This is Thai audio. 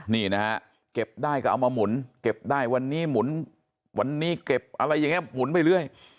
นี่นะฮะเก็บได้ก็เอามาหมุนเก็บได้วันนี้หมุนวันนี้เก็บอะไรอย่างนี้หมุนไปเรื่อย